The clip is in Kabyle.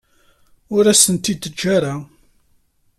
Ur asen-t-id-teǧǧa ara.